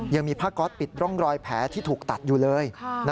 ยังมีผ้าก๊อตปิดร่องรอยแผลที่ถูกตัดอยู่เลย